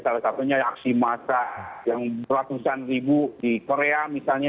salah satunya aksi massa yang ratusan ribu di korea misalnya